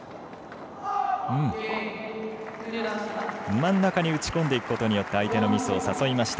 真ん中に打ち込んでいくことによって相手のミスを誘いました。